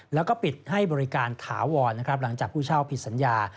แล้วก็ปิดให้บริการถาวรนะครับหลังจากผู้เช่าผิดสัญญา